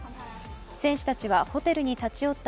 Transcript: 選手たちはホテルに立ち寄った